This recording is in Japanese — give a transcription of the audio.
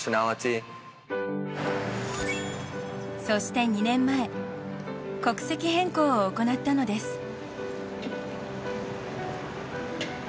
そして２年前国籍変更を行ったのです。